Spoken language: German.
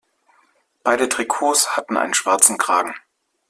Beide Trikots hatten einen schwarzen Kragen.